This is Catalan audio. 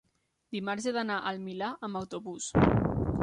dimarts he d'anar al Milà amb autobús.